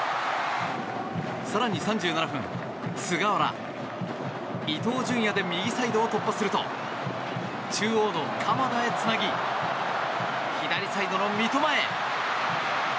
更に３７分菅原、伊東純也で右サイドを突破すると中央の鎌田へつなぎ左サイドの三笘へ。